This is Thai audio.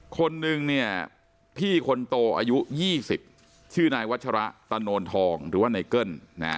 คนนึงเนี่ยพี่คนโตอายุ๒๐ชื่อนายวัชระตะโนนทองหรือว่าไนเกิ้ล